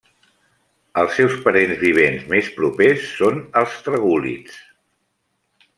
Els seus parents vivents més propers són els tragúlids.